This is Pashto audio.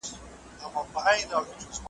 راته وساته ګلونه د نارنجو امېلونه .